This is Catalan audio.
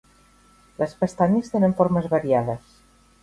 Les pestanyes tenen formes variades.